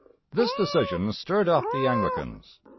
This decision stirred up the Anglicans.